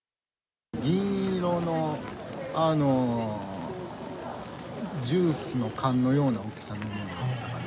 銀色のジュースの缶のような大きさのものだったかな。